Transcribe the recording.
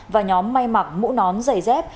và nhóm may mặc mũ nón giày dép